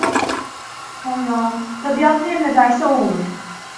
Sonra, tabiat ne emrederse, o olur.